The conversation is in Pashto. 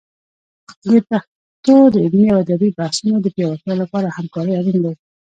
د پښتو د علمي او ادبي بحثونو د پیاوړتیا لپاره همکارۍ اړین دي.